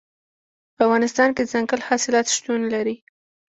په افغانستان کې دځنګل حاصلات شتون لري.